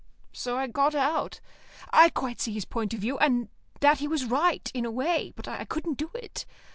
So I got out. I quite see his point of view, and that he was right in a way; but I couldn't do it.